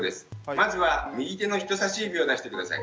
まずは右手の人さし指を出して下さい。